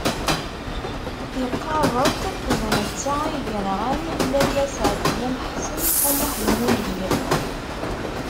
Iqarr-d d netta ay yenɣan Lalla Seɛdiya n Ḥsen u Muḥ Lmlud.